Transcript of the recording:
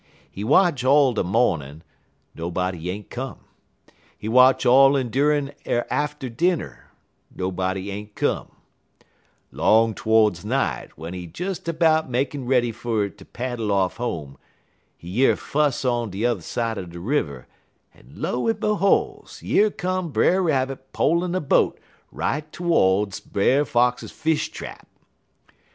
He watch all de mornin'; nobody ain't come. He watch all endurin' er atter dinner; nobody ain't come. 'Long todes night, w'en he des 'bout makin' ready fer ter paddle off home, he year fuss on t'er side de river, en lo en beholes, yer come Brer Rabbit polin' a boat right todes Brer Fox fish trap.